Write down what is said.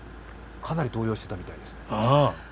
かなり動揺してたみたいですね。